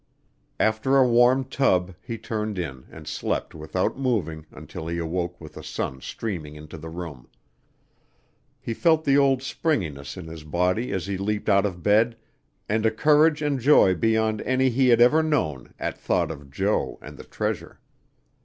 After a warm tub, he turned in and slept without moving until he awoke with the sun streaming into the room. He felt the old springiness in his body as he leaped out of bed, and a courage and joy beyond any he had ever known at thought of Jo and the treasure.